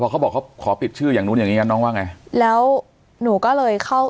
เขาบอกเขาขอปิดชื่ออย่างนู้นอย่างงี้งั้นน้องว่าไงแล้วหนูก็เลยเข้า